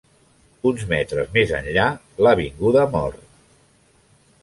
Uns metres més enllà, l'avinguda mor.